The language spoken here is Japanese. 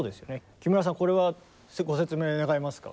木村さんこれはご説明願えますか？